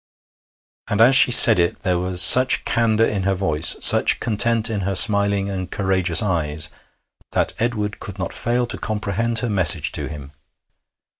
And as she said it there was such candour in her voice, such content in her smiling and courageous eyes, that Edward could not fail to comprehend her message to him.